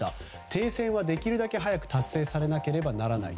停戦はできるだけ早く達成されなければならない。